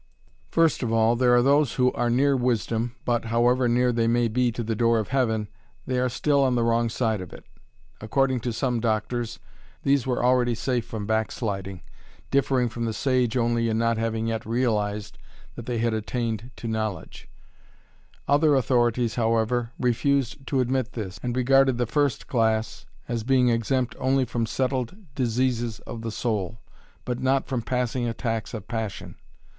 First of all, there are those who are near wisdom, but, however near they may be to the door of Heaven, they are still on the wrong side of it. According to some doctors, these were already safe from backsliding, differing from the sage only in not having yet realized that they had attained to knowledge; other authorities, however, refused to admit this, and regarded the first class as being exempt only from settled diseases of the soul, but not from passing attacks of passion.